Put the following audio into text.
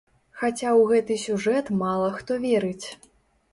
Хаця ў гэты сюжэт мала хто верыць.